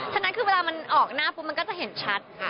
ฉะนั้นคือเวลามันออกหน้าปุ๊บมันก็จะเห็นชัดค่ะ